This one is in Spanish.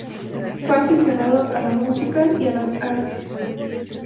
Fue aficionado a la música y a las artes.